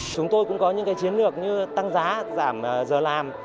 chúng tôi cũng có những chiến lược như tăng giá giảm giờ làm